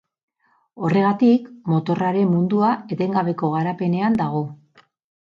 Horregatik, motorraren mundua etengabeko garapenean dago.